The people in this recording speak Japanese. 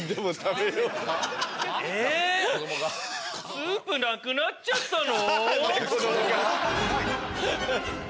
スープなくなっちゃったの？